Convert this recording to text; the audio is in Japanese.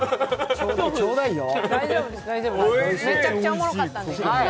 大丈夫です、めちゃくちゃおもろかったんで。